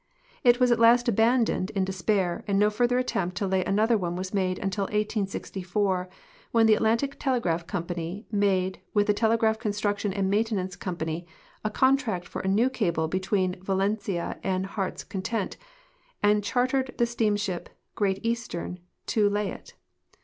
It was at last abandoned in de spair, and no further attempt to lay another one was made until 18(>4, when the Atlantic Telegraph Company made with the Telegraph Construction and INIaintenance Company a contract for a new cable between Valentia and Heart's Content and char tered the steamship Great Eastern to lay it.